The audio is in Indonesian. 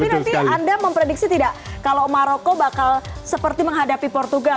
tapi nanti anda memprediksi tidak kalau maroko bakal seperti menghadapi portugal